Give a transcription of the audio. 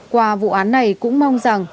qua vụ án này cũng mong rằng